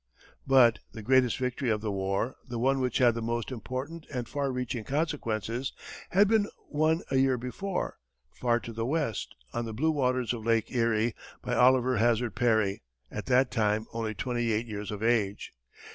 But the greatest victory of the war, the one which had the most important and far reaching consequences, had been won a year before, far to the west, on the blue waters of Lake Erie, by Oliver Hazard Perry, at that time only twenty eight years of age.